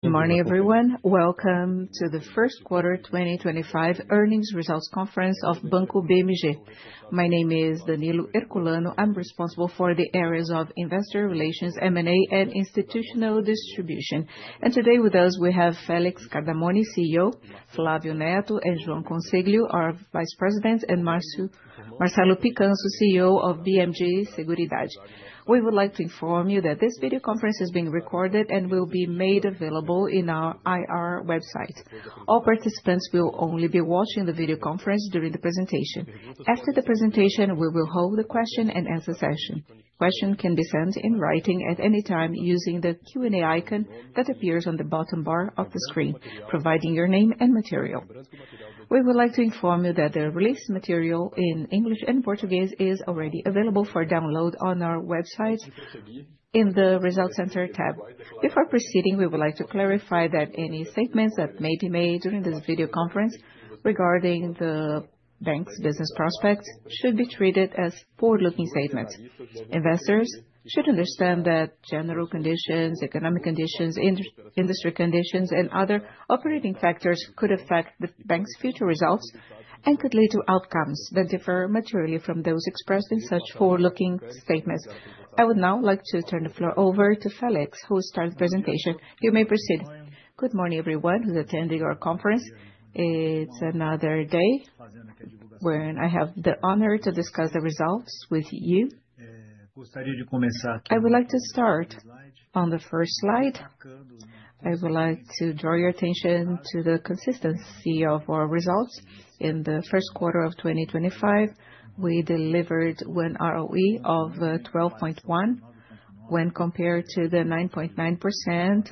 Good morning, everyone. Welcome to the first quarter 2025 earnings results conference of Banco BMG. My name is Danilo Herculano. I'm responsible for the areas of investor relations, M&A, and institutional distribution. Today with us, we have Felix Cardamone, CEO, Flávio Neto and João Consiglio are Vice Presidents, and Marcelo Picanço, CEO of BMG Seguridade. We would like to inform you that this video conference is being recorded and will be made available on our IR website. All participants will only be watching the video conference during the presentation. After the presentation, we will hold a question and answer session. Questions can be sent in writing at any time using the Q&A icon that appears on the bottom bar of the screen, providing your name and material. We would like to inform you that the release material in English and Portuguese is already available for download on our website in the Results Center tab. Before proceeding, we would like to clarify that any statements that may be made during this video conference regarding the bank's business prospects should be treated as forward-looking statements. Investors should understand that general conditions, economic conditions, industry conditions, and other operating factors could affect the bank's future results and could lead to outcomes that differ materially from those expressed in such forward-looking statements. I would now like to turn the floor over to Felix, who will start the presentation. You may proceed. Good morning, everyone who's attending our conference. It's another day when I have the honor to discuss the results with you. I would like to start on the first slide. I would like to draw your attention to the consistency of our results. In the first quarter of 2025, we delivered an ROE of 12.1% when compared to the 9.9%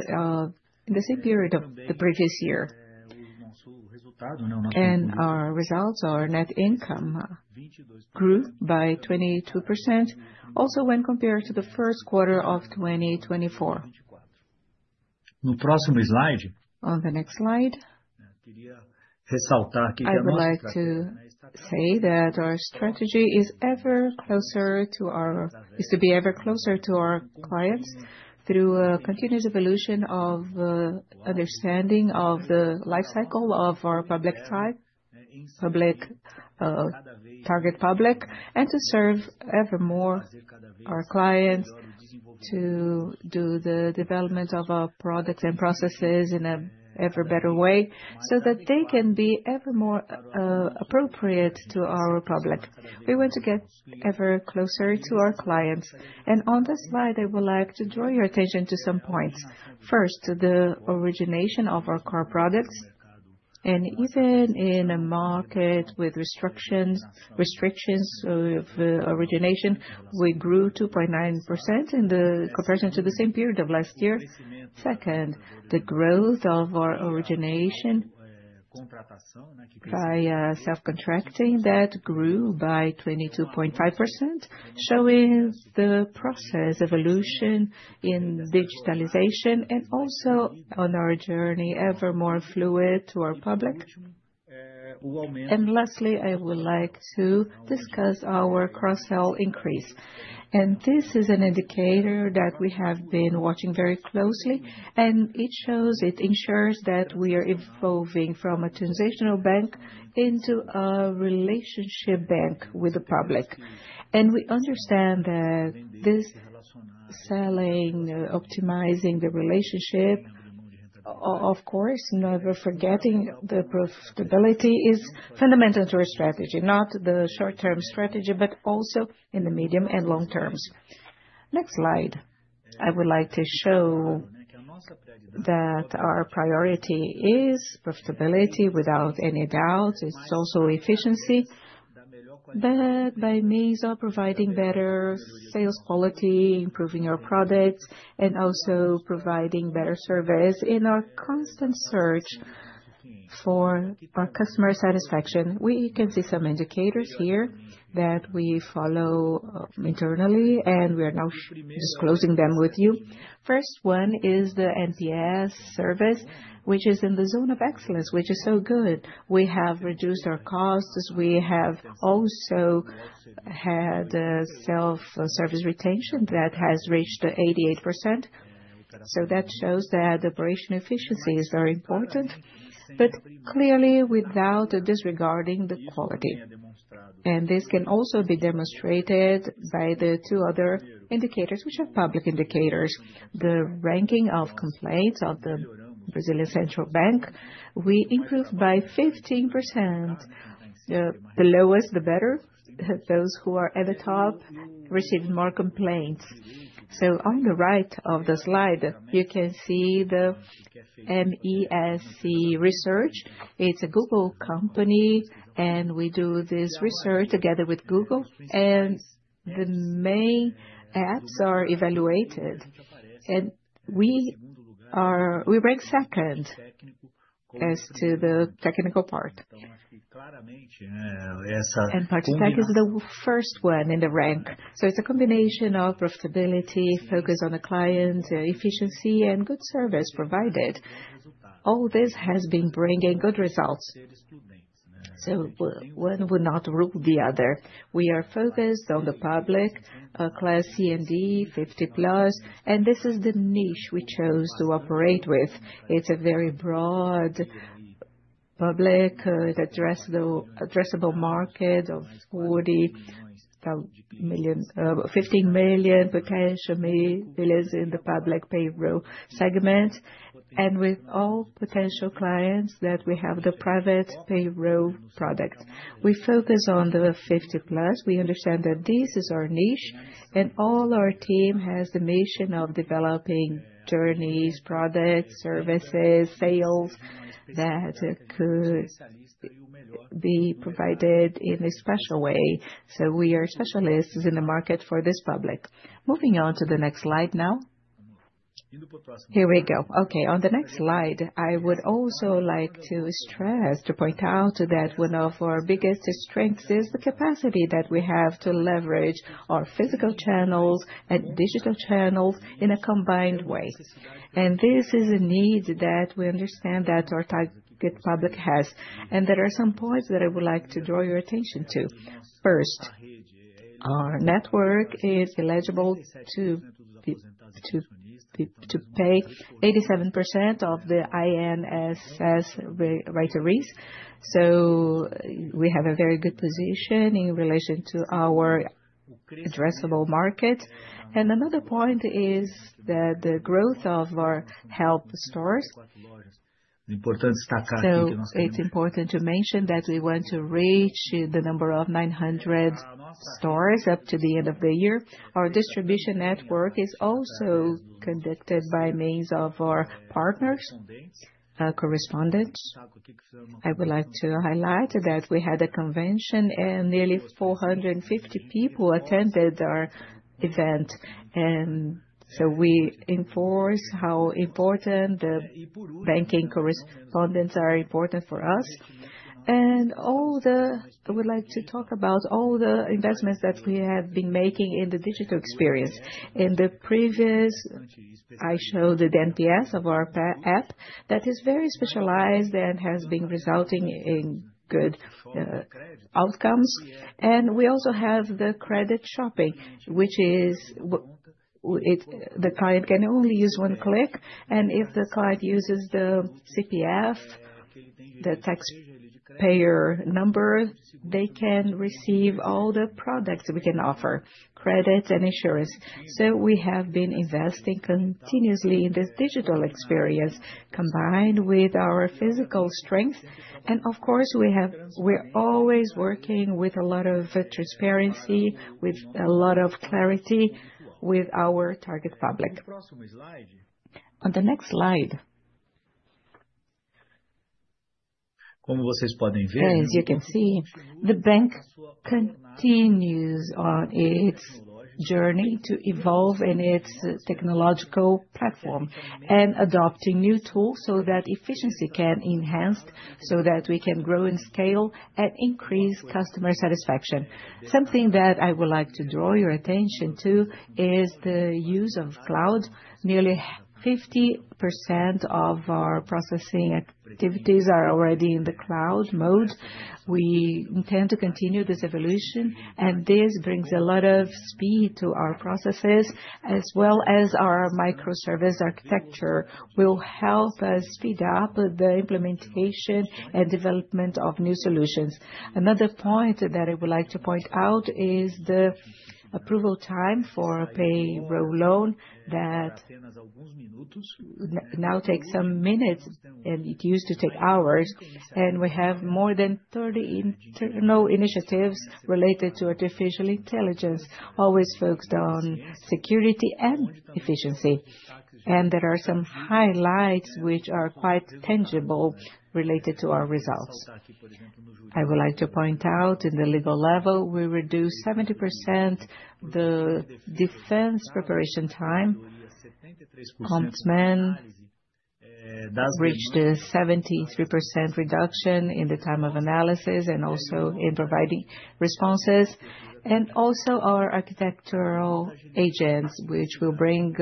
in the same period of the previous year. Our results, our net income, grew by 22% also when compared to the first quarter of 2024. On the next slide, I would like to say that our strategy is to be ever closer to our clients through a continuous evolution of understanding of the life cycle of our target public and to serve ever more our clients to do the development of our products and processes in an ever better way so that they can be ever more appropriate to our public. We want to get ever closer to our clients. On this slide, I would like to draw your attention to some points. First, the origination of our core products. Even in a market with restrictions of origination, we grew 2.9% in comparison to the same period of last year. Second, the growth of our origination by self-contracting that grew by 22.5%, showing the process evolution in digitalization and also on our journey ever more fluid to our public. Lastly, I would like to discuss our cross-sell increase. This is an indicator that we have been watching very closely, and it ensures that we are evolving from a transitional bank into a relationship bank with the public. We understand that this selling, optimizing the relationship, of course, never forgetting the profitability, is fundamental to our strategy, not the short-term strategy, but also in the medium and long terms. Next slide. I would like to show that our priority is profitability without any doubt. It's also efficiency that by means of providing better sales quality, improving our products, and also providing better service in our constant search for our customer satisfaction. We can see some indicators here that we follow internally, and we are now disclosing them with you. First one is the NPS service, which is in the zone of excellence, which is so good. We have reduced our costs. We have also had self-service retention that has reached 88%. That shows that operational efficiency is very important, but clearly without disregarding the quality. This can also be demonstrated by the two other indicators, which are public indicators. The ranking of complaints of the Brazilian Central Bank, we improved by 15%. The lowest, the better. Those who are at the top receive more complaints. On the right of the slide, you can see the MESC research. It's a Google company, and we do this research together with Google. The main apps are evaluated, and we rank second as to the technical part. PicPay is the first one in the rank. It is a combination of profitability, focus on the client, efficiency, and good service provided. All this has been bringing good results. One would not rule the other. We are focused on the public, class C and D, 50+, and this is the niche we chose to operate with. It is a very broad public, addressable market of 40 million, 15 million potentially in the public payroll segment, and with all potential clients that we have the private payroll product. We focus on the 50+. We understand that this is our niche, and all our team has the mission of developing journeys, products, services, sales that could be provided in a special way. We are specialists in the market for this public. Moving on to the next slide now. Here we go. On the next slide, I would also like to stress, to point out that one of our biggest strengths is the capacity that we have to leverage our physical channels and digital channels in a combined way. This is a need that we understand that our target public has. There are some points that I would like to draw your attention to. First, our network is eligible to pay 87% of the INSS retirees. We have a very good position in relation to our addressable market. Another point is the growth of our help stores. It's important to mention that we want to reach the number of 900 stores up to the end of the year. Our distribution network is also conducted by means of our partners, correspondents. I would like to highlight that we had a convention and nearly 450 people attended our event. We enforce how important the banking correspondents are important for us. I would like to talk about all the investments that we have been making in the digital experience. In the previous, I showed the NPS of our app that is very specialized and has been resulting in good outcomes. We also have the Credit Shopping, which is the client can only use one click. If the client uses the CPF, the taxpayer number, they can receive all the products we can offer, credit and insurance. We have been investing continuously in this digital experience combined with our physical strength. Of course, we're always working with a lot of transparency, with a lot of clarity with our target public. On the next slide, as you can see, the bank continues on its journey to evolve in its technological platform and adopting new tools so that efficiency can be enhanced, so that we can grow in scale and increase customer satisfaction. Something that I would like to draw your attention to is the use of cloud. Nearly 50% of our processing activities are already in the cloud mode. We intend to continue this evolution, and this brings a lot of speed to our processes, as well as our microservice architecture will help us speed up the implementation and development of new solutions. Another point that I would like to point out is the approval time for a payroll loan that now takes some minutes, and it used to take hours. We have more than 30 internal initiatives related to artificial intelligence, always focused on security and efficiency. There are some highlights which are quite tangible related to our results. I would like to point out at the legal level, we reduced 70% the defense preparation time. Compliance reached a 73% reduction in the time of analysis and also in providing responses. Also, our architectural agents will bring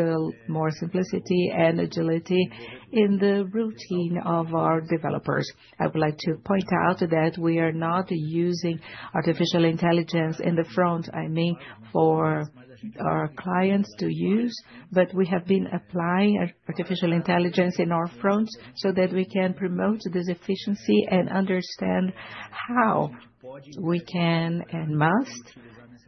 more simplicity and agility in the routine of our developers. I would like to point out that we are not using artificial intelligence in the front, I mean, for our clients to use, but we have been applying artificial intelligence in our front so that we can promote this efficiency and understand how we can and must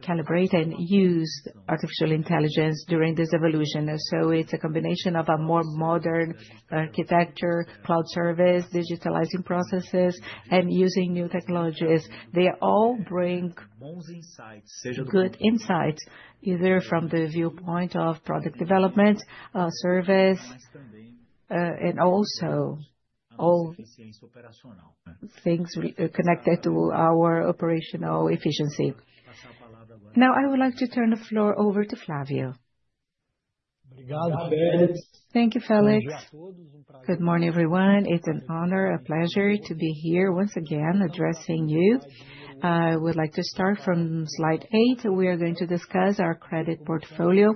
calibrate and use artificial intelligence during this evolution. It is a combination of a more modern architecture, cloud service, digitalizing processes, and using new technologies. They all bring good insights, either from the viewpoint of product development, service, and also things connected to our operational efficiency. Now, I would like to turn the floor over to Flávio. Thank you, Felix. Good morning, everyone. It is an honor, a pleasure to be here once again addressing you. I would like to start from slide eight. We are going to discuss our credit portfolio.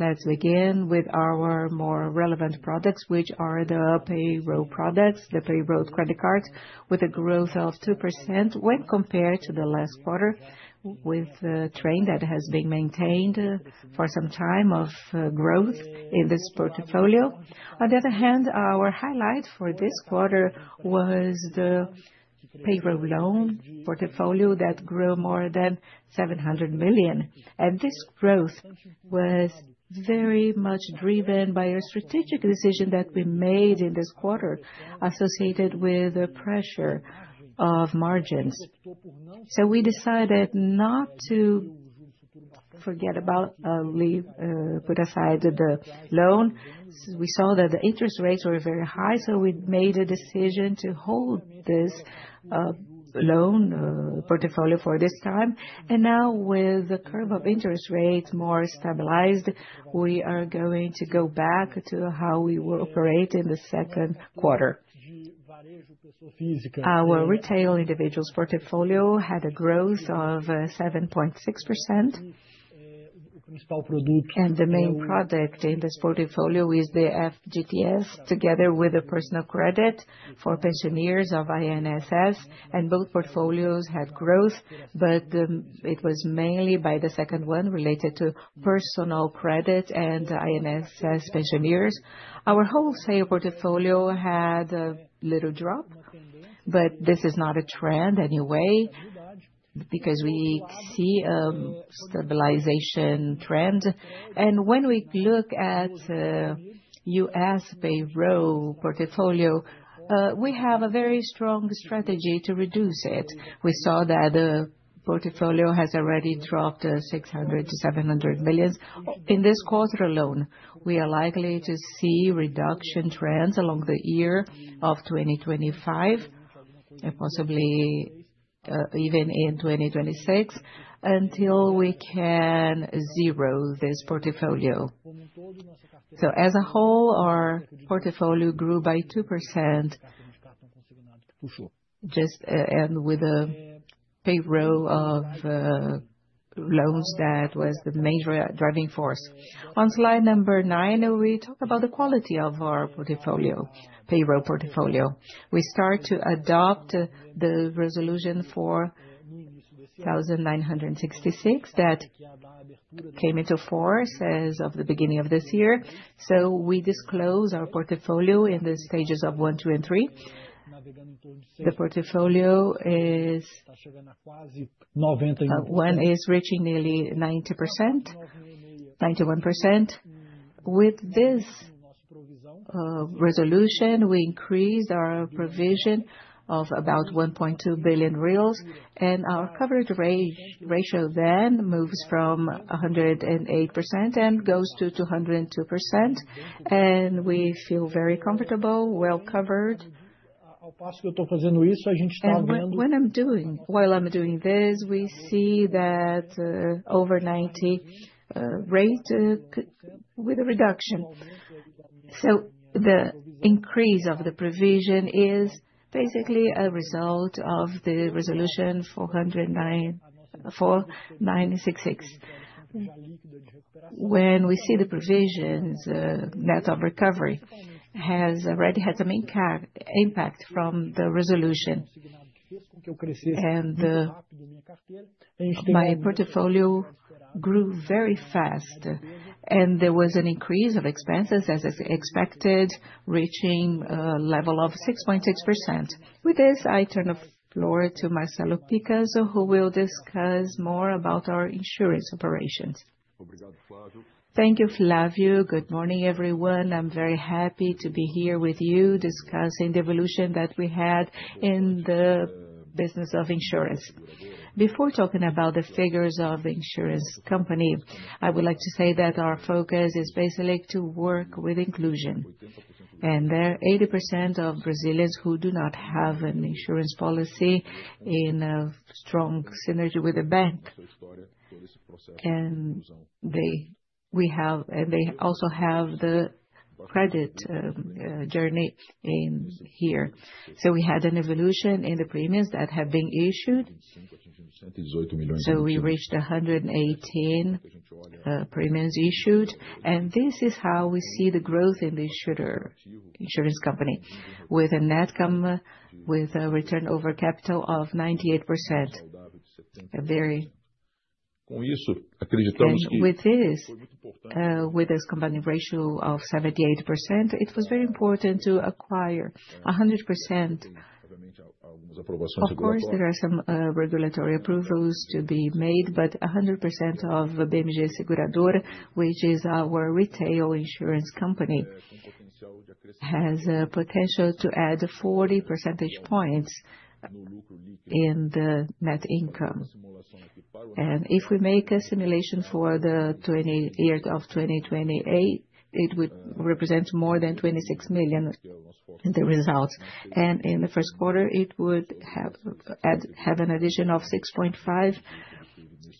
Let's begin with our more relevant products, which are the payroll products, the payroll credit cards with a growth of 2% when compared to the last quarter, with the trend that has been maintained for some time of growth in this portfolio. On the other hand, our highlight for this quarter was the payroll loan portfolio that grew more than 700 million. This growth was very much driven by a strategic decision that we made in this quarter associated with the pressure of margins. We decided to put aside the loan. We saw that the interest rates were very high, so we made a decision to hold this loan portfolio for this time. Now, with the curve of interest rates more stabilized, we are going to go back to how we will operate in the second quarter. Our retail individuals' portfolio had a growth of 7.6%. The main product in this portfolio is the FGTS Anticipation, together with the personal credit for INSS pensioners. Both portfolios had growth, but it was mainly by the second one related to personal credit and INSS pensioners. Our wholesale portfolio had a little drop, but this is not a trend anyway because we see a stabilization trend. When we look at the unsecured payroll portfolio, we have a very strong strategy to reduce it. We saw that the portfolio has already dropped 600 million-700 million. In this quarter alone, we are likely to see reduction trends along the year 2025 and possibly even in 2026 until we can zero this portfolio. As a whole, our portfolio grew by 2% just with the payroll loans that was the major driving force. On slide number nine, we talk about the quality of our payroll portfolio. We start to adopt Resolution 4966 that came into force as of the beginning of this year. We disclose our portfolio in the stages of 1, 2, and 3. The portfolio is reaching nearly 91%. With this resolution, we increased our provision of about 1.2 billion reais, and our coverage ratio then moves from 108% and goes to 202%. We feel very comfortable, well covered. When I'm doing this, we see that over 90% rate with a reduction. The increase of the provision is basically a result of Resolution 4966. When we see the provisions, the net of recovery has already had some impact from the resolution. My portfolio grew very fast, and there was an increase of expenses as expected, reaching a level of 6.6%. With this, I turn the floor to Marcelo Picanco, who will discuss more about our insurance operations. Thank you, Flávio. Good morning, everyone. I'm very happy to be here with you discussing the evolution that we had in the business of insurance. Before talking about the figures of the insurance company, I would like to say that our focus is basically to work with inclusion. There are 80% of Brazilians who do not have an insurance policy in a strong synergy with a bank. We have, and they also have, the credit journey in here. We had an evolution in the premiums that have been issued. We reached 118 million premiums issued. This is how we see the growth in the insurance company, with a net income with a Return on Capital of 98%. With this combined ratio of 78%, it was very important to acquire 100%. Of course, there are some regulatory approvals to be made, but 100% of BMG Seguridade, which is our retail insurance company, has a potential to add 40 percentage points in the net income. If we make a simulation for the year of 2028, it would represent more than 26 million in the results. In the first quarter, it would have an addition of 6.5 million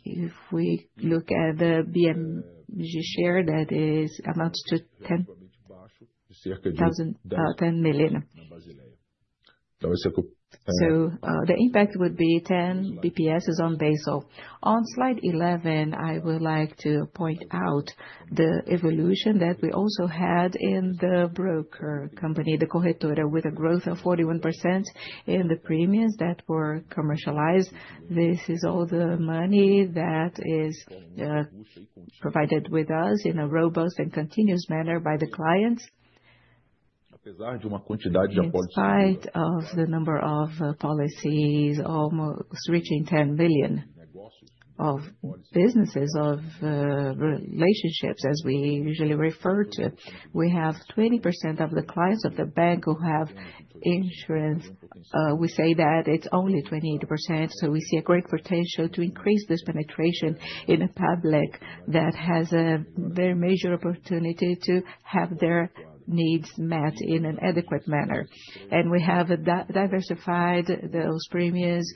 if we look at the BMG share that amounts to BRL 10 million. The impact would be 10 basis points on Basel. On slide 11, I would like to point out the evolution that we also had in the broker company, the corretora, with a growth of 41% in the premiums that were commercialized. This is all the money that is provided with us in a robust and continuous manner by the clients. Inside of the number of policies, almost reaching 10 million of businesses, of relationships, as we usually refer to, we have 20% of the clients of the bank who have insurance. We say that it's only 28%, so we see a great potential to increase this penetration in a public that has a very major opportunity to have their needs met in an adequate manner. We have diversified those premiums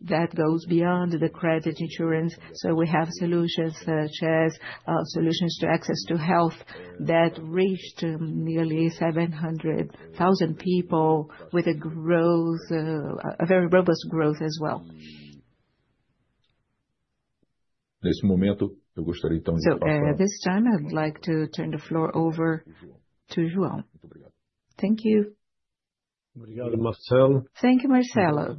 that go beyond the credit insurance. We have solutions such as solutions to access to health that reached nearly 700,000 people with a very robust growth as well. At this time, I'd like to turn the floor over to João. Thank you. Thank you, Marcelo.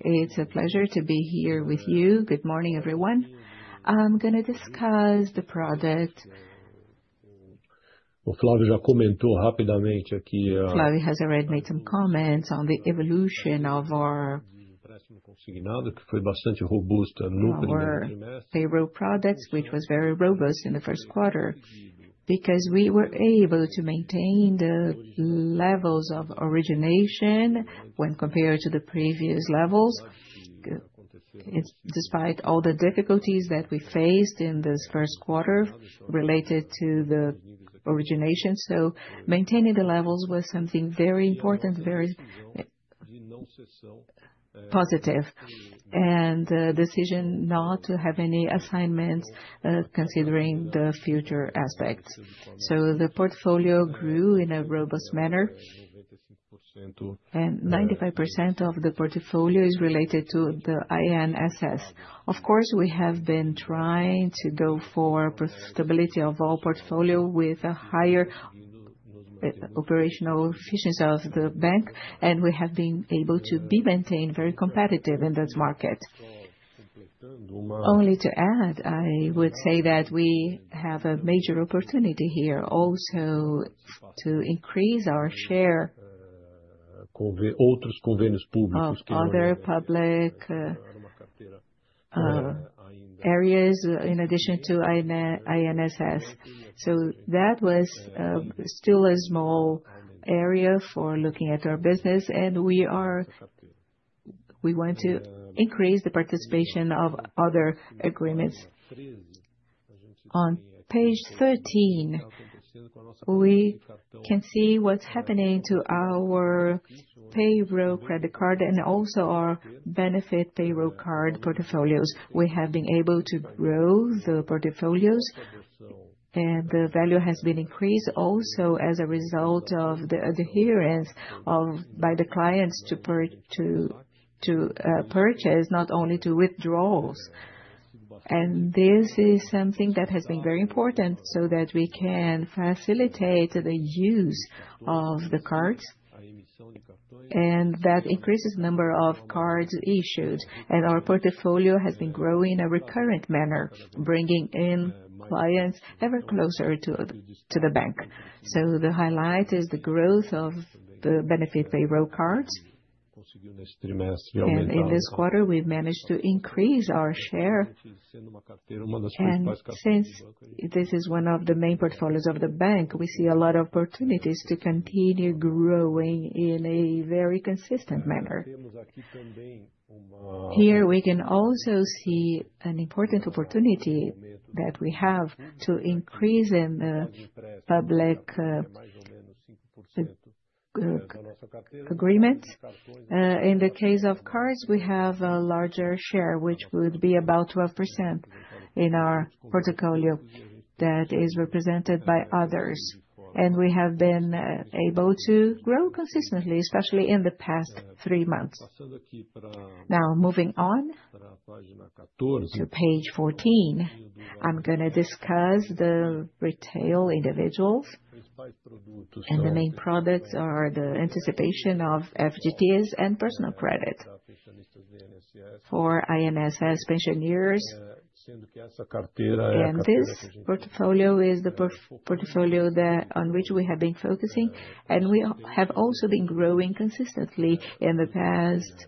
It's a pleasure to be here with you. Good morning, everyone. I'm going to discuss the product. Flávio has already made some comments on the evolution of our payroll products, which was very robust in the first quarter because we were able to maintain the levels of origination when compared to the previous levels, despite all the difficulties that we faced in this first quarter related to the origination. Maintaining the levels was something very important, very positive, and a decision not to have any assignments considering the future aspects. The portfolio grew in a robust manner, and 95% of the portfolio is related to the INSS. Of course, we have been trying to go for profitability of all portfolio with a higher operational efficiency of the bank, and we have been able to be maintained very competitive in that market. Only to add, I would say that we have a major opportunity here also to increase our share in other public areas in addition to INSS. That was still a small area for looking at our business, and we want to increase the participation of other agreements. On page 13, we can see what is happening to our payroll credit card and also our benefit payroll card portfolios. We have been able to grow the portfolios, and the value has been increased also as a result of the adherence by the clients to purchase, not only to withdrawals. This is something that has been very important so that we can facilitate the use of the cards, and that increases the number of cards issued. Our portfolio has been growing in a recurrent manner, bringing in clients ever closer to the bank. The highlight is the growth of the benefit payroll card. In this quarter, we've managed to increase our share since this is one of the main portfolios of the bank. We see a lot of opportunities to continue growing in a very consistent manner. Here we can also see an important opportunity that we have to increase in the public agreements. In the case of cards, we have a larger share, which would be about 12% in our portfolio that is represented by others. We have been able to grow consistently, especially in the past three months. Now, moving on to page 14, I'm going to discuss the retail individuals, and the main products are the FGTS Anticipation and personal credit for INSS pensioners. This portfolio is the portfolio on which we have been focusing, and we have also been growing consistently in the past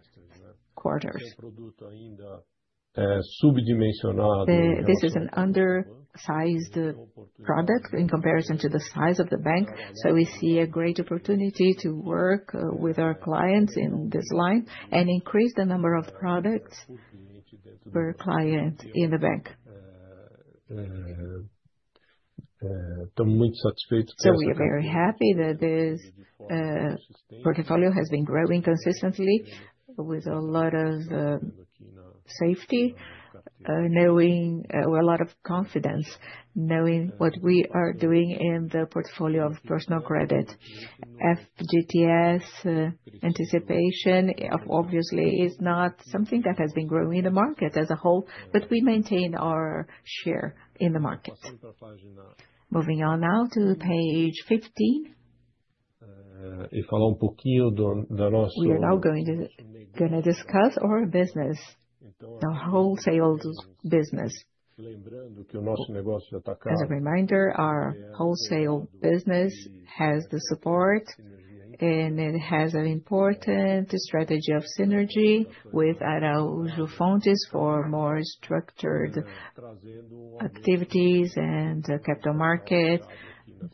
quarters. This is an undersized product in comparison to the size of the bank. We see a great opportunity to work with our clients in this line and increase the number of products per client in the bank. We are very happy that this portfolio has been growing consistently with a lot of safety, a lot of confidence, knowing what we are doing in the portfolio of personal credit. FGTS Anticipation, obviously, is not something that has been growing in the market as a whole, but we maintain our share in the market. Moving on now to page 15. We are now going to discuss our business, the wholesale business. As a reminder, our wholesale business has the support, and it has an important strategy of synergy with Araújo Fontes for more structured activities and capital market,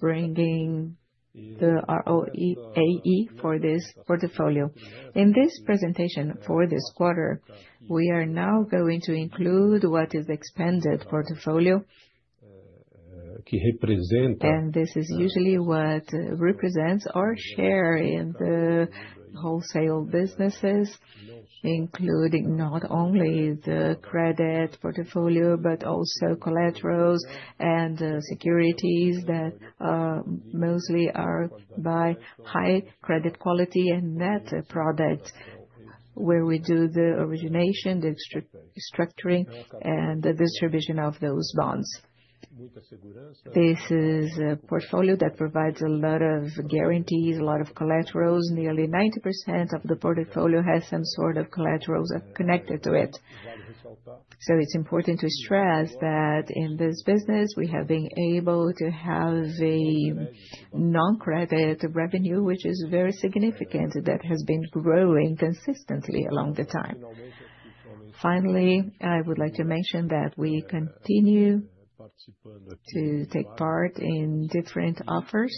bringing the ROE for this portfolio. In this presentation for this quarter, we are now going to include what is the expanded portfolio, and this is usually what represents our share in the wholesale businesses, including not only the credit portfolio, but also collaterals and securities that mostly are by high credit quality and debt product, where we do the origination, the structuring, and the distribution of those bonds. This is a portfolio that provides a lot of guarantees, a lot of collaterals. Nearly 90% of the portfolio has some sort of collaterals connected to it. It is important to stress that in this business, we have been able to have a non-credit revenue, which is very significant, that has been growing consistently along the time. Finally, I would like to mention that we continue to take part in different offers.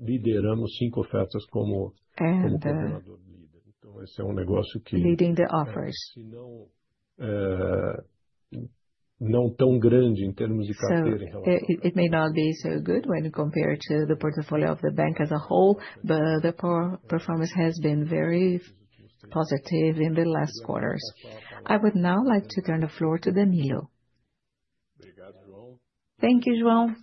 It may not be so good when compared to the portfolio of the bank as a whole, but the performance has been very positive in the last quarters. I would now like to turn the floor to Danilo. Thank you, João.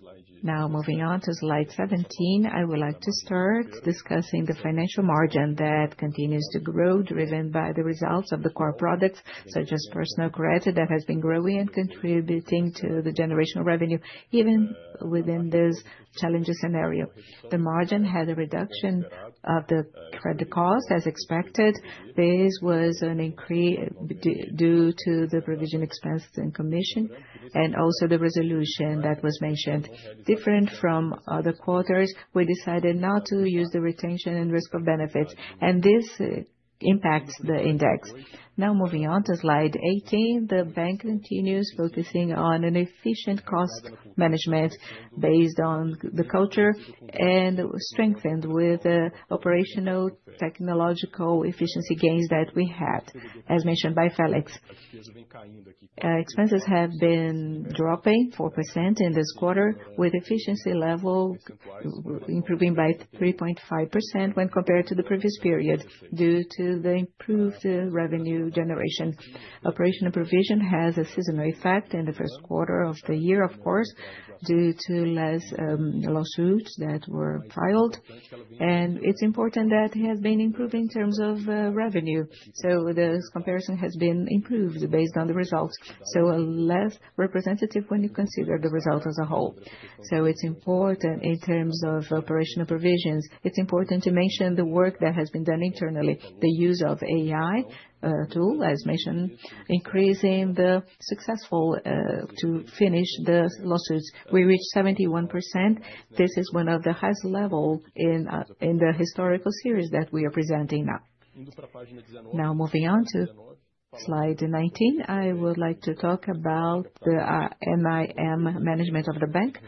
Now, moving on to slide 17, I would like to start discussing the financial margin that continues to grow, driven by the results of the core products, such as personal credit, that has been growing and contributing to the generation of revenue, even within this challenging scenario. The margin had a reduction of the credit cost, as expected. This was an increase due to the provision expenses and commission, and also the resolution that was mentioned. Different from other quarters, we decided not to use the retention and risk of benefits, and this impacts the index. Now, moving on to slide 18, the bank continues focusing on an efficient cost management based on the culture and strengthened with the operational technological efficiency gains that we had, as mentioned by Felix. Expenses have been dropping 4% in this quarter, with efficiency levels improving by 3.5% when compared to the previous period due to the improved revenue generation. Operational provision has a seasonal effect in the first quarter of the year, of course, due to less lawsuits that were filed, and it's important that it has been improving in terms of revenue. This comparison has been improved based on the results, so less representative when you consider the result as a whole. It is important in terms of operational provisions. It is important to mention the work that has been done internally, the use of AI tools, as mentioned, increasing the success to finish the lawsuits. We reached 71%. This is one of the highest levels in the historical series that we are presenting now. Now, moving on to slide 19, I would like to talk about the NIM management of the bank.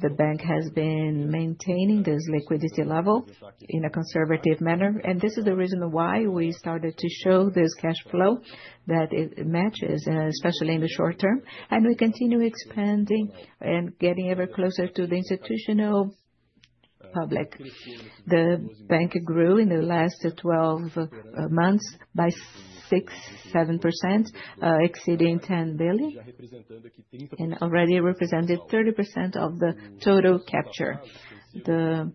The bank has been maintaining this liquidity level in a conservative manner, and this is the reason why we started to show this cash flow that it matches, especially in the short term, and we continue expanding and getting ever closer to the institutional public. The bank grew in the last 12 months by 6-7%, exceeding 10 billion, and already represented 30% of the total capture. There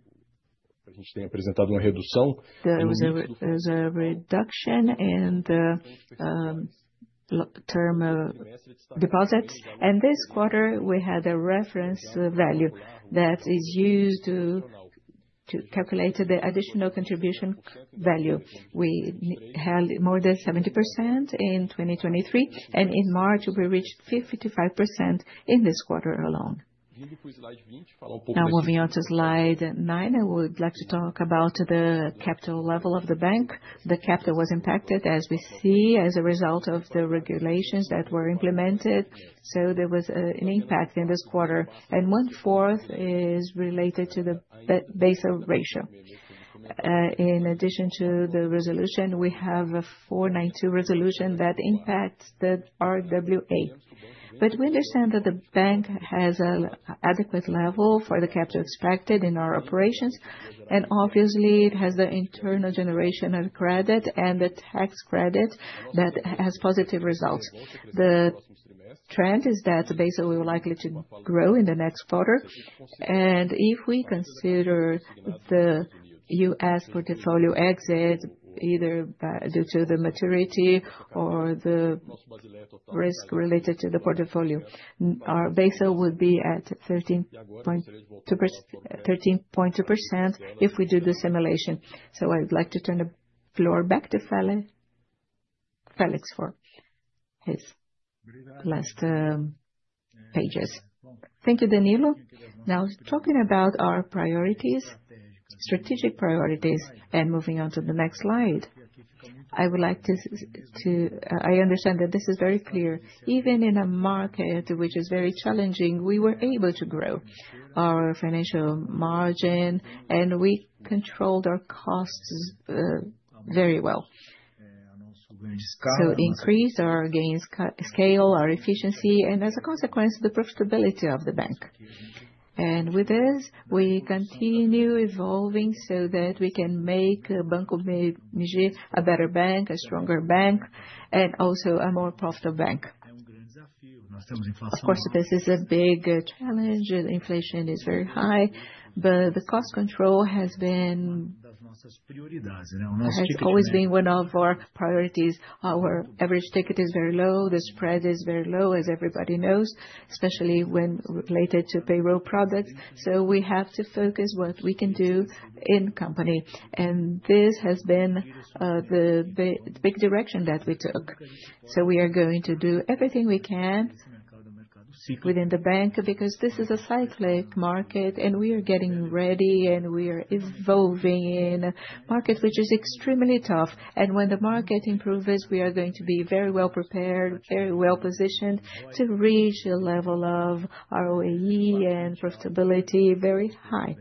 was a reduction in term deposits, and this quarter we had a reference value that is used to calculate the additional contribution value. We held more than 70% in 2023, and in March we reached 55% in this quarter alone. Now, moving on to slide nine, I would like to talk about the capital level of the bank. The capital was impacted, as we see, as a result of the regulations that were implemented, so there was an impact in this quarter, and one-fourth is related to the base ratio. In addition to the resolution, we have a 4.192 Resolution that impacts the RWA. We understand that the bank has an adequate level for the capital expected in our operations, and obviously it has the internal generation of credit and the tax credit that has positive results. The trend is that the base will likely grow in the next quarter, and if we consider the US portfolio exit, either due to the maturity or the risk related to the portfolio, our base would be at 13.2% if we do the simulation. I'd like to turn the floor back to Felix for his last pages. Thank you, Danilo. Now, talking about our priorities, strategic priorities, and moving on to the next slide, I would like to—I understand that this is very clear. Even in a market which is very challenging, we were able to grow our financial margin, and we controlled our costs very well. Increase our gains, scale our efficiency, and as a consequence, the profitability of the bank. With this, we continue evolving so that we can make Banco BMG a better bank, a stronger bank, and also a more profitable bank. Of course, this is a big challenge. Inflation is very high, but the cost control has been always one of our priorities. Our average ticket is very low. The spread is very low, as everybody knows, especially when related to payroll products. We have to focus on what we can do in company, and this has been the big direction that we took. We are going to do everything we can within the bank because this is a cyclic market, and we are getting ready, and we are evolving in a market which is extremely tough. When the market improves, we are going to be very well prepared, very well positioned to reach a level of ROE and profitability very high,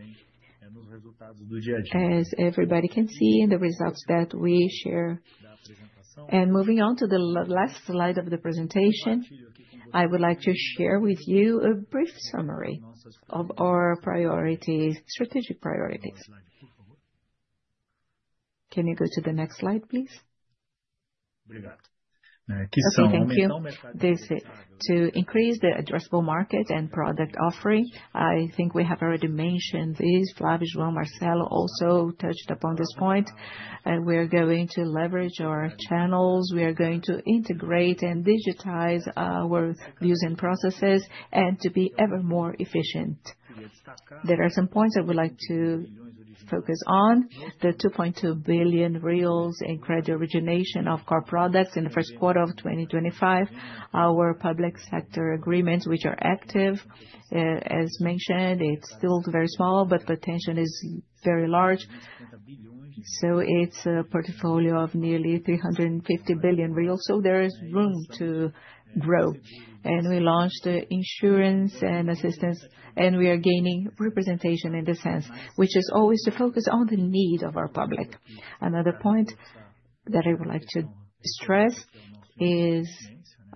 as everybody can see in the results that we share. Moving on to the last slide of the presentation, I would like to share with you a brief summary of our strategic priorities. Can you go to the next slide, please? Thank you. This is to increase the addressable market and product offering. I think we have already mentioned this. Flávio, João, Marcelo also touched upon this point. We are going to leverage our channels. We are going to integrate and digitize our views and processes and to be ever more efficient. There are some points I would like to focus on: the 2.2 billion reais in credit origination of core products in the first quarter of 2025, our public sector agreements which are active. As mentioned, it is still very small, but potential is very large. It is a portfolio of nearly 350 billion reais, so there is room to grow. We launched insurance and assistance, and we are gaining representation in this sense, which is always to focus on the need of our public. Another point that I would like to stress is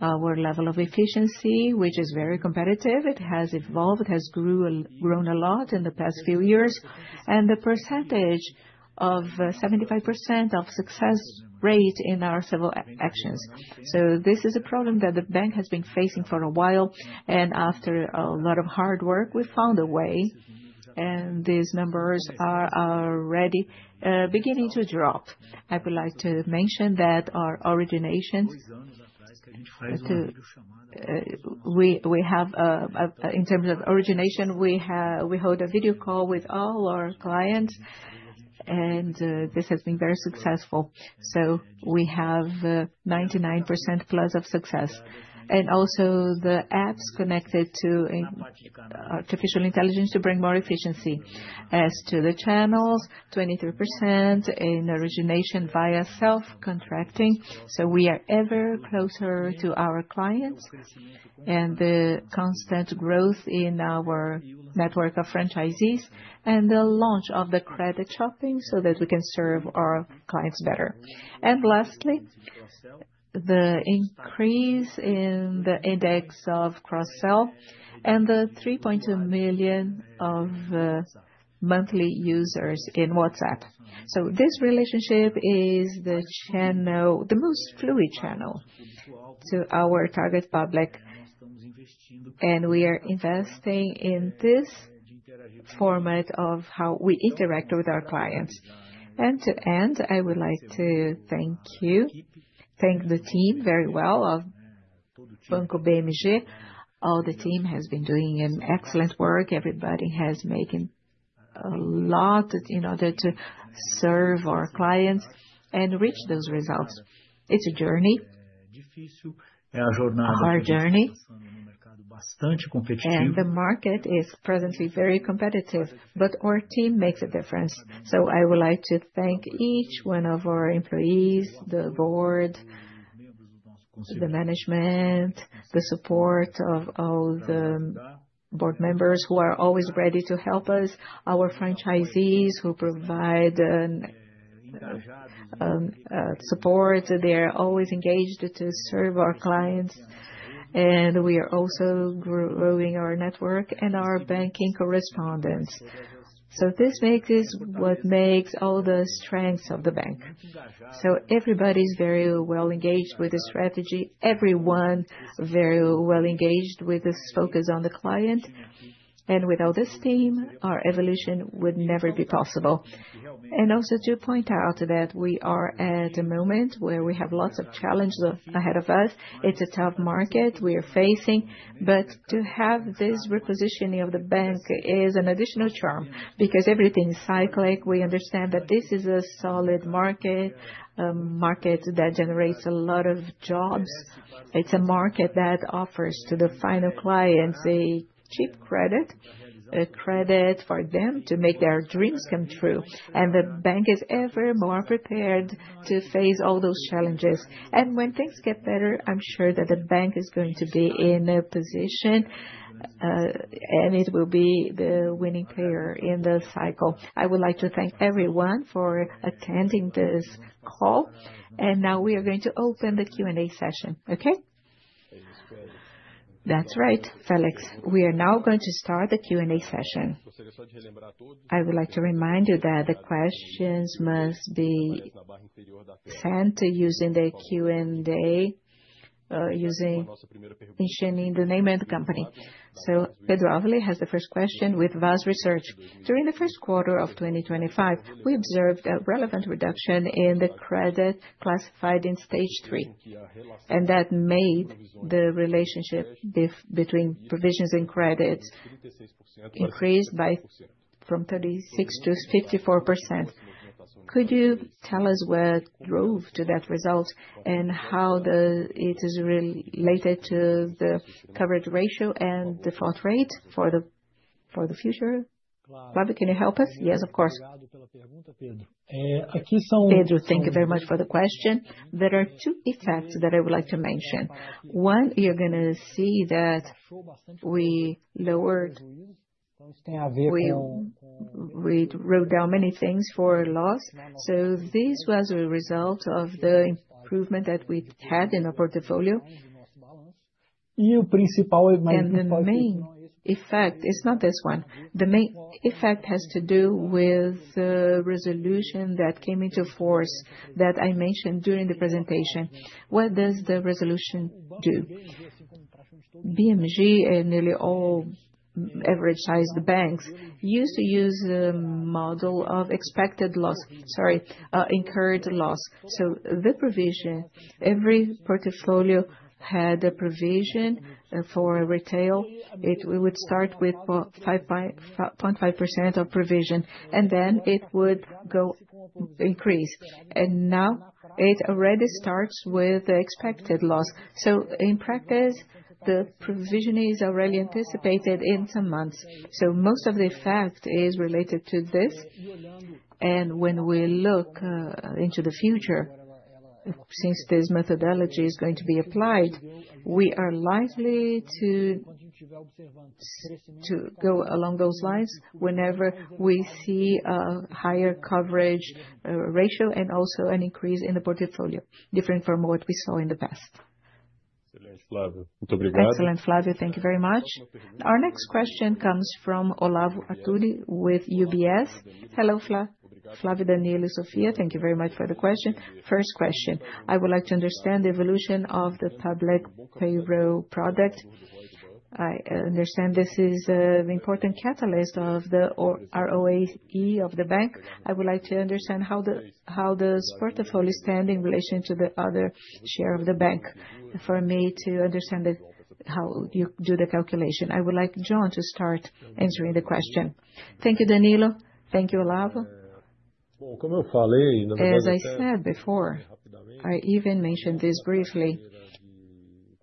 our level of efficiency, which is very competitive. It has evolved, has grown a lot in the past few years, and the percentage of 75% of success rate in our several actions. This is a problem that the bank has been facing for a while, and after a lot of hard work, we found a way, and these numbers are already beginning to drop. I would like to mention that our originations, we have in terms of origination, we hold a video call with all our clients, and this has been very successful. We have 99%+ of success. Also, the apps are connected to artificial intelligence to bring more efficiency. As to the channels, 23% in origination via self-contracting, so we are ever closer to our clients and the constant growth in our network of franchisees and the launch of the Credit Shopping so that we can serve our clients better. Lastly, the increase in the index of cross-sell and the 3.2 million monthly users in WhatsApp. This relationship is the most fluid channel to our target public, and we are investing in this format of how we interact with our clients. To end, I would like to thank you, thank the team very well of Banco BMG. All the team has been doing excellent work. Everybody has made a lot in order to serve our clients and reach those results. It is a journey, our journey, and the market is presently very competitive, but our team makes a difference. I would like to thank each one of our employees, the board, the management, the support of all the board members who are always ready to help us, our franchisees who provide support. They are always engaged to serve our clients, and we are also growing our network and our banking correspondence. This is what makes all the strengths of the bank. Everybody is very well engaged with the strategy, everyone very well engaged with this focus on the client, and without this team, our evolution would never be possible. Also to point out that we are at a moment where we have lots of challenges ahead of us. It is a tough market we are facing, but to have this repositioning of the bank is an additional charm because everything is cyclic. We understand that this is a solid market, a market that generates a lot of jobs. It is a market that offers to the final clients a cheap credit, a credit for them to make their dreams come true, and the bank is ever more prepared to face all those challenges. When things get better, I am sure that the bank is going to be in a position, and it will be the winning player in the cycle. I would like to thank everyone for attending this call, and now we are going to open the Q&A session, okay? That's right, Felix. We are now going to start the Q&A session. I would like to remind you that the questions must be sent using the Q&A, mentioning the name and the company. So Pedro Ávila has the first question with VAROS Research. During the first quarter of 2025, we observed a relevant reduction in the credit classified in stage three, and that made the relationship between provisions and credits increase from 36%-54%. Could you tell us what drove to that result and how it is related to the coverage ratio and the fraud rate for the future? Babo, can you help us? Yes, of course. Pedro, thank you very much for the question. There are two effects that I would like to mention. One, you're going to see that we lowered, we wrote down many things for loss, so this was a result of the improvement that we had in our portfolio. The main effect is not this one. The main effect has to do with the resolution that came into force that I mentioned during the presentation. What does the resolution do? Banco BMG and nearly all average-sized banks used to use the model of expected loss, sorry, incurred loss. The provision, every portfolio had a provision for retail. It would start with 5.5% of provision, and then it would go increase. Now it already starts with the expected loss. In practice, the provision is already anticipated in some months. Most of the effect is related to this. When we look into the future, since this methodology is going to be applied, we are likely to go along those lines whenever we see a higher coverage ratio and also an increase in the portfolio, different from what we saw in the past. Excellent, Flávio, thank you very much. Our next question comes from Olavo Arthuzo with UBS. Hello, Flávio, Danilo, Sofia. Thank you very much for the question. First question, I would like to understand the evolution of the public payroll product. I understand this is an important catalyst of the ROE of the bank. I would like to understand how the portfolio stands in relation to the other share of the bank for me to understand how you do the calculation. I would like João to start answering the question. Thank you, Danilo. Thank you, Olavo. As I said before, I even mentioned this briefly.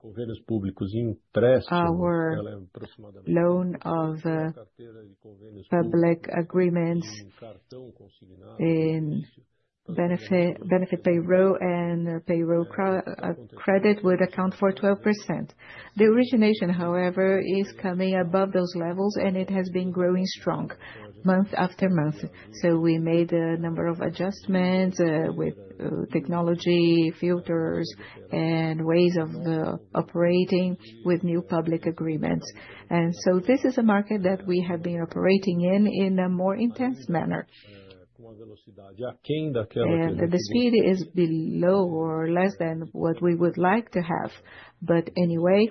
Our loan of public agreements in benefit payroll and payroll credit would account for 12%. The origination, however, is coming above those levels, and it has been growing strong month after month. We made a number of adjustments with technology filters and ways of operating with new public agreements. This is a market that we have been operating in, in a more intense manner. The speed is below or less than what we would like to have. Anyway,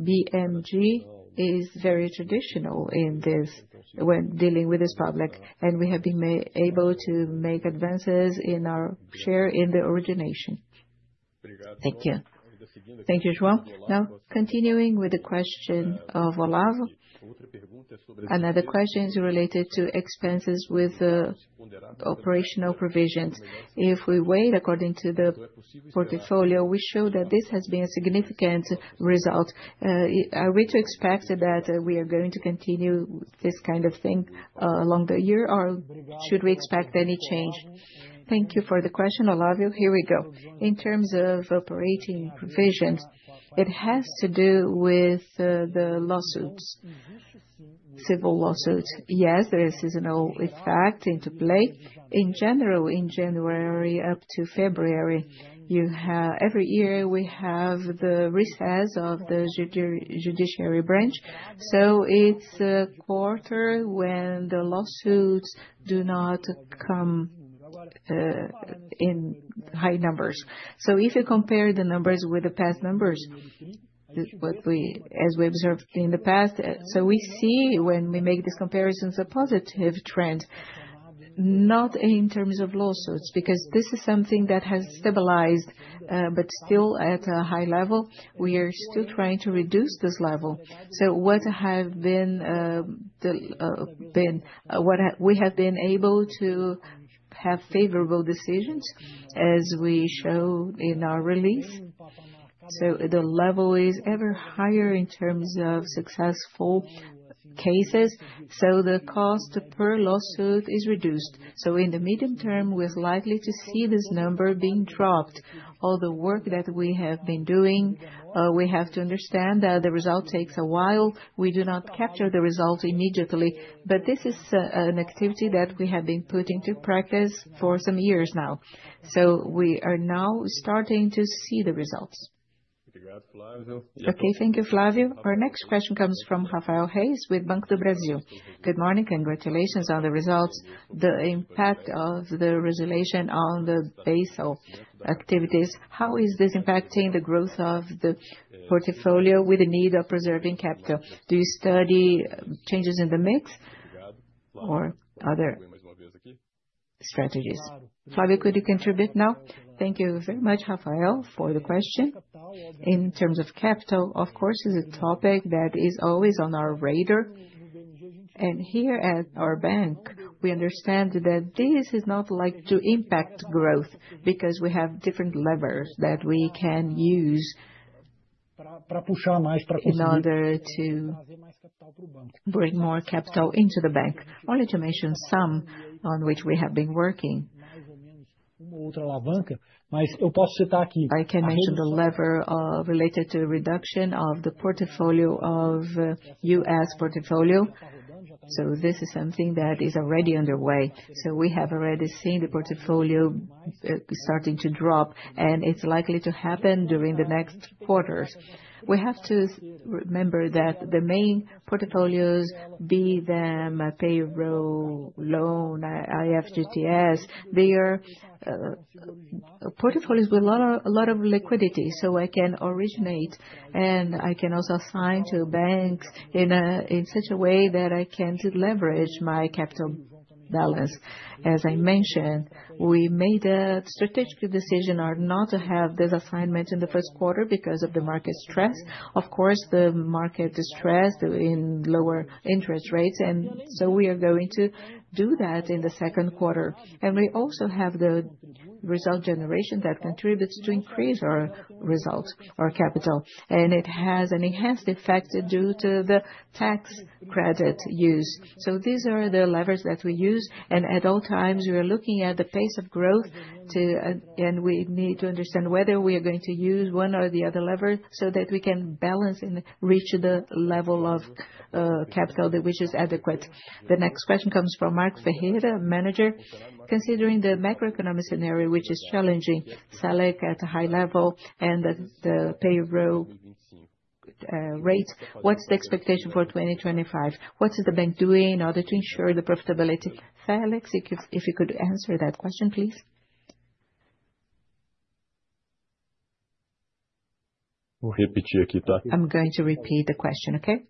BMG is very traditional in this when dealing with this public, and we have been able to make advances in our share in the origination. Thank you. Thank you, João. Now, continuing with the question of Olavo, another question is related to expenses with the operational provisions. If we wait according to the portfolio, we show that this has been a significant result. Are we to expect that we are going to continue this kind of thing along the year, or should we expect any change? Thank you for the question, Olavo. Here we go. In terms of operating provisions, it has to do with the lawsuits, civil lawsuits. Yes, there is a seasonal effect into play. In general, in January up to February, every year we have the recess of the judiciary branch. It is a quarter when the lawsuits do not come in high numbers. If you compare the numbers with the past numbers, as we observed in the past, we see when we make these comparisons a positive trend, not in terms of lawsuits, because this is something that has stabilized, but still at a high level. We are still trying to reduce this level. What have been the we have been able to have favorable decisions, as we show in our release. The level is ever higher in terms of successful cases. The cost per lawsuit is reduced. In the medium term, we're likely to see this number being dropped. All the work that we have been doing, we have to understand that the result takes a while. We do not capture the results immediately, but this is an activity that we have been putting into practice for some years now. We are now starting to see the results. Okay, thank you, Flávio. Our next question comes from Rafael Reis with Banco do Brasil. Good morning and congratulations on the results. The impact of the resolution on the base of activities, how is this impacting the growth of the portfolio with the need of preserving capital? Do you study changes in the mix or other strategies? Flávio, could you contribute now? Thank you very much, Rafael, for the question. In terms of capital, of course, it is a topic that is always on our radar. Here at our bank, we understand that this is not likely to impact growth because we have different levers that we can use in order to bring more capital into the bank. Only to mention some on which we have been working. I can mention the lever related to reduction of the portfolio of US portfolio. This is something that is already underway. We have already seen the portfolio starting to drop, and it is likely to happen during the next quarters. We have to remember that the main portfolios, be them a payroll loan, FGTS, they are portfolios with a lot of liquidity. I can originate, and I can also assign to banks in such a way that I can leverage my capital balance. As I mentioned, we made a strategic decision not to have this assignment in the first quarter because of the market stress. Of course, the market is stressed in lower interest rates, and we are going to do that in the second quarter. We also have the result generation that contributes to increase our results, our capital, and it has an enhanced effect due to the tax credit use. These are the levers that we use, and at all times we are looking at the pace of growth, and we need to understand whether we are going to use one or the other lever so that we can balance and reach the level of capital which is adequate. The next question comes from Marc Ferreira, manager. Considering the macroeconomic scenario, which is challenging, SELIC at a high level and the payroll rate, what's the expectation for 2025? What is the bank doing in order to ensure the profitability? Felix, if you could answer that question, please. I'm going to repeat the question, okay?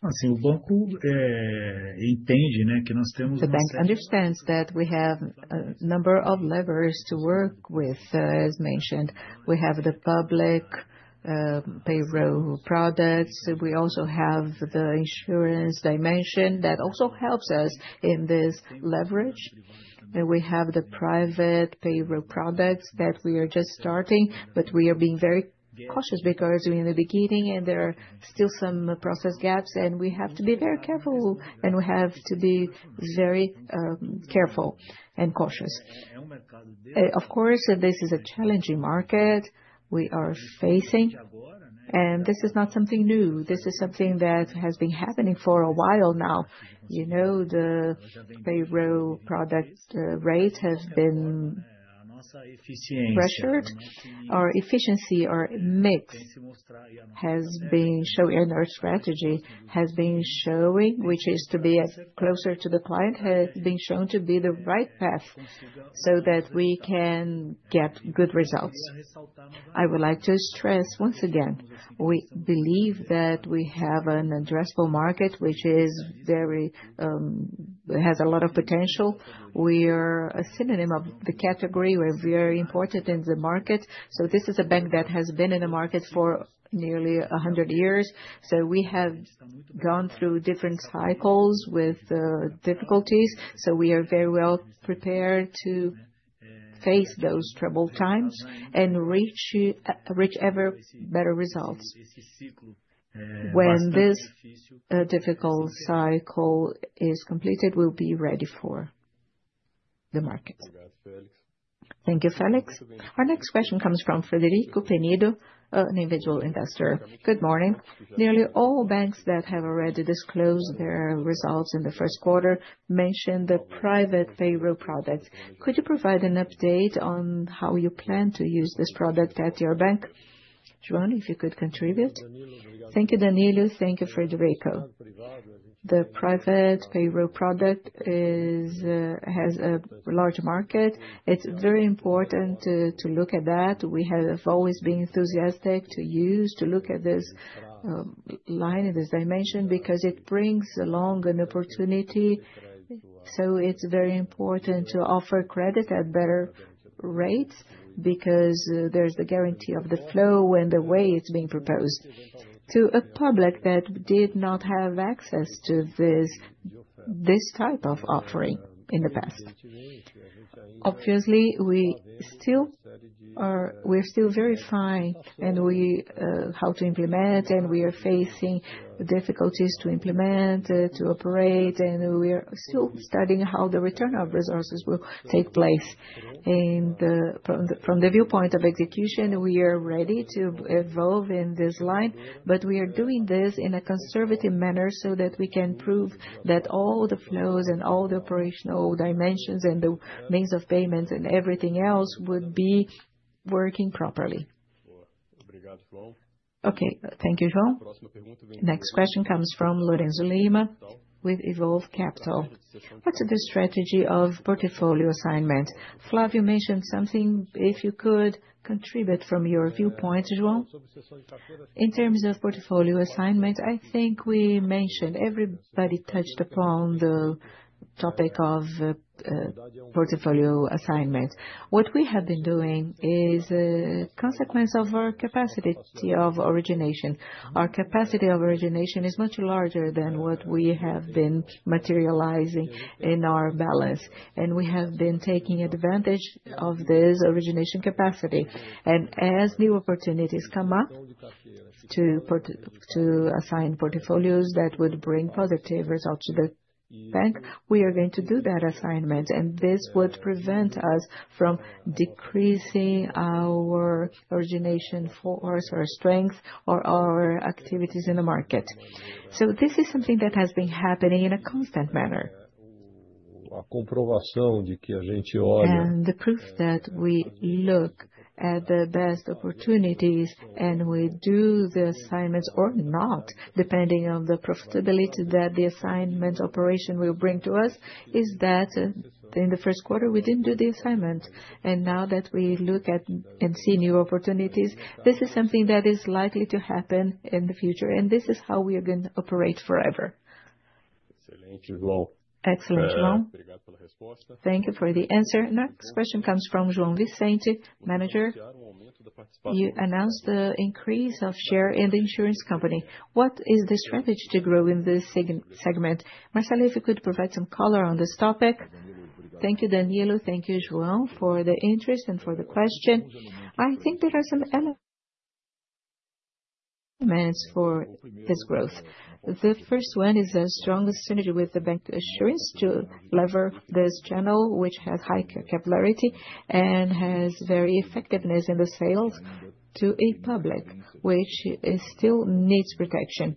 The bank understands that we have a number of levers to work with, as mentioned. We have the public payroll products. We also have the insurance dimension that also helps us in this leverage. We have the private payroll products that we are just starting, but we are being very cautious because we're in the beginning and there are still some process gaps, and we have to be very careful and cautious. Of course, this is a challenging market we are facing, and this is not something new. This is something that has been happening for a while now. You know, the payroll product rates have been pressured. Our efficiency, our mix has been showing, and our strategy has been showing, which is to be as closer to the client, has been shown to be the right path so that we can get good results. I would like to stress once again, we believe that we have an addressable market, which has a lot of potential. We are a synonym of the category. We're very important in the market. This is a bank that has been in the market for nearly 100 years. We have gone through different cycles with difficulties. We are very well prepared to face those troubled times and reach ever better results. When this difficult cycle is completed, we'll be ready for the market. Thank you, Felix. Our next question comes from Frederico Penido, an individual investor. Good morning. Nearly all banks that have already disclosed their results in the first quarter mentioned the private payroll products. Could you provide an update on how you plan to use this product at your bank? João, if you could contribute. Thank you, Danilo. Thank you, Frederico. The private payroll product has a large market. It's very important to look at that. We have always been enthusiastic to look at this line in this dimension because it brings along an opportunity. It's very important to offer credit at better rates because there's the guarantee of the flow and the way it's being proposed to a public that did not have access to this type of offering in the past. Obviously, we're still very fine, and we know how to implement, and we are facing difficulties to implement, to operate, and we are still studying how the return of resources will take place. From the viewpoint of execution, we are ready to evolve in this line, but we are doing this in a conservative manner so that we can prove that all the flows and all the operational dimensions and the means of payment and everything else would be working properly. Okay, thank you, João. Next question comes from Lorenzo Lima with Evolve Capital. What's the strategy of portfolio assignment? Flávio mentioned something. If you could contribute from your viewpoint, João. In terms of portfolio assignment, I think we mentioned everybody touched upon the topic of portfolio assignment. What we have been doing is a consequence of our capacity of origination. Our capacity of origination is much larger than what we have been materializing in our balance, and we have been taking advantage of this origination capacity. As new opportunities come up to assign portfolios that would bring positive results to the bank, we are going to do that assignment, and this would prevent us from decreasing our origination force, our strength, or our activities in the market. This is something that has been happening in a constant manner. The proof that we look at the best opportunities and we do the assignments or not, depending on the profitability that the assignment operation will bring to us, is that in the first quarter we did not do the assignment. Now that we look at and see new opportunities, this is something that is likely to happen in the future, and this is how we are going to operate forever. Excellent, João. Thank you for the answer. Next question comes from João Vicente, manager. You announced the increase of share in the insurance company. What is the strategy to grow in this segment? Marcelo, if you could provide some color on this topic. Thank you, Danilo. Thank you, João, for the interest and for the question. I think there are some elements for this growth. The first one is a stronger synergy with the bancassurance to lever this channel, which has high capillarity and has very effectiveness in the sales to a public, which still needs protection.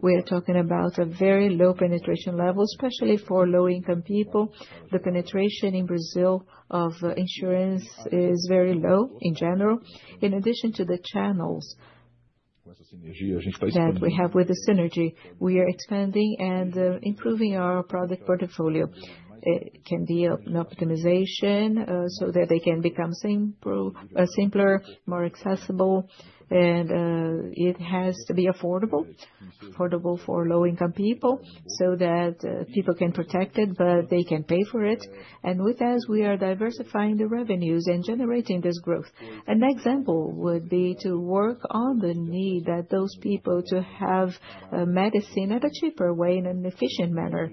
We are talking about a very low penetration level, especially for low-income people. The penetration in Brazil of insurance is very low in general, in addition to the channels that we have with the synergy. We are expanding and improving our product portfolio. It can be an optimization so that they can become simpler, more accessible, and it has to be affordable, affordable for low-income people so that people can protect it, but they can pay for it. With this, we are diversifying the revenues and generating this growth. An example would be to work on the need that those people have medicine at a cheaper way and an efficient manner.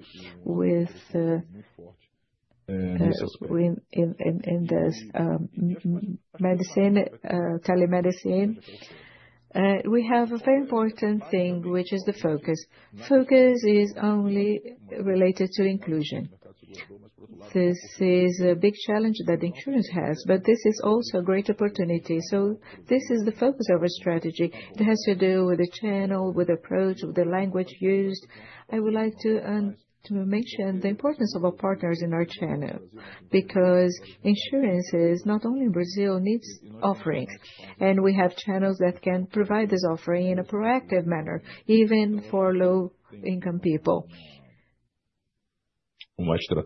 In this medicine, telemedicine, we have a very important thing, which is the focus. Focus is only related to inclusion. This is a big challenge that insurance has, but this is also a great opportunity. This is the focus of our strategy. It has to do with the channel, with the approach, with the language used. I would like to mention the importance of our partners in our channel because insurances, not only in Brazil, need offerings, and we have channels that can provide this offering in a proactive manner, even for low-income people. The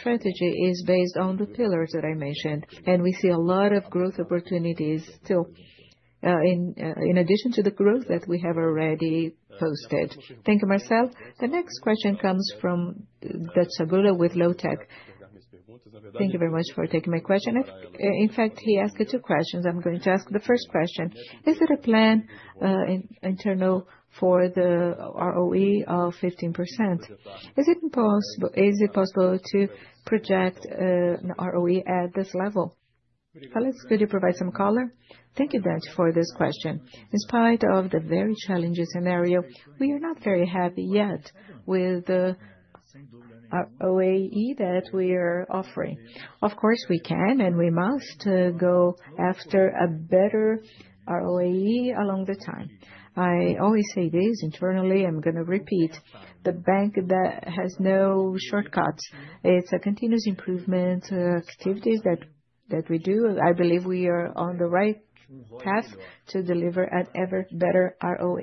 strategy is based on the pillars that I mentioned, and we see a lot of growth opportunities still, in addition to the growth that we have already posted. Thank you, Marcelo. The next question comes from Datsabula with LowTech. Thank you very much for taking my question. In fact, he asked two questions. I'm going to ask the first question. Is there a plan internal for the ROE of 15%? Is it possible to project an ROE at this level? Felix, could you provide some color? Thank you, Dante, for this question. In spite of the very challenging scenario, we are not very happy yet with the ROE that we are offering. Of course, we can, and we must go after a better ROE along the time. I always say this internally, I'm going to repeat. The bank has no shortcuts. It's a continuous improvement activities that we do. I believe we are on the right path to deliver an ever better ROE.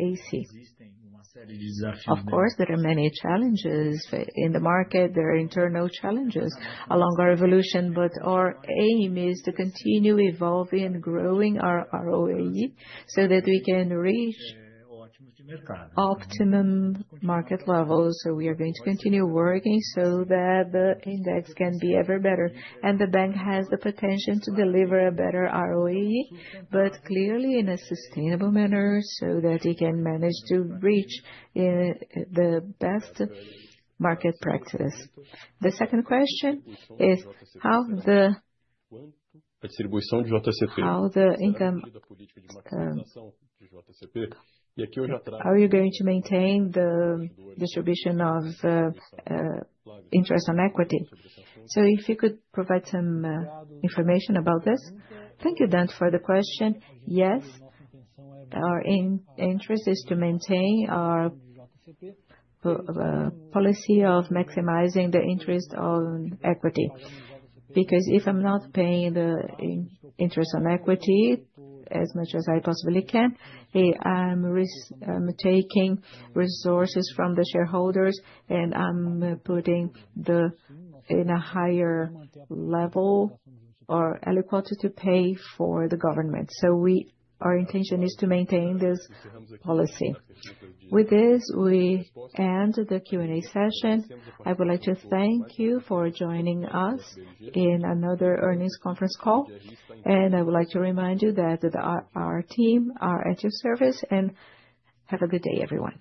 Of course, there are many challenges in the market. There are internal challenges along our evolution, but our aim is to continue evolving and growing our ROE so that we can reach optimum market levels. We are going to continue working so that the index can be ever better, and the bank has the potential to deliver a better ROE, but clearly in a sustainable manner so that it can manage to reach the best market practice. The second question is how the income distribution of interest on equity. If you could provide some information about this. Thank you, Dante, for the question. Yes, our interest is to maintain our policy of maximizing the interest on equity because if I'm not paying the interest on equity as much as I possibly can, I'm taking resources from the shareholders and I'm putting in a higher level or eligibility to pay for the government. Our intention is to maintain this policy. With this, we end the Q&A session. I would like to thank you for joining us in another earnings conference call, and I would like to remind you that our team are at your service, and have a good day, everyone.